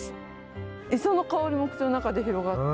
磯の香りも口の中で広がって。